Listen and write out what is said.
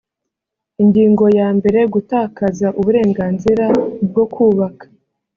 ingingo ya mbere gutakaza uburenganzira bwo kubaka